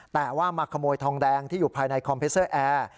แต่ว่ามาขโมยทองแดงที่อยู่ภายในคอมพิวเซอร์แอร์